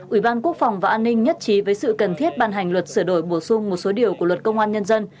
ủy ban quốc phòng và an ninh nhất trí với sự cần thiết ban hành luật sửa đổi bổ sung một số điều của luật công an nhân dân